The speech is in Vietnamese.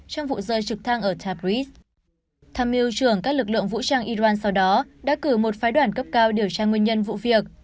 trong vụ rơi trực thăng ở tabris tham mưu trưởng các lực lượng vũ trang iran sau đó đã cử một phái đoàn cấp cao điều tra nguyên nhân vụ việc